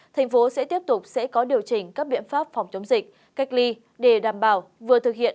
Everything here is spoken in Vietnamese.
thành phố sẽ tiếp tục sẽ có điều chỉnh các biện pháp phòng chống dịch cách ly để đảm bảo vừa thực hiện